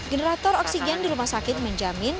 generator oksigen di rumah sakit menjamin